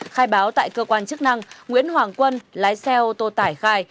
khai báo tại cơ quan chức năng nguyễn hoàng quân lái xe ô tô tải khai